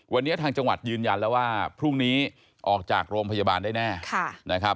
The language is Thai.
วันนี้ทางจังหวัดยืนยันแล้วว่าพรุ่งนี้ออกจากโรงพยาบาลได้แน่นะครับ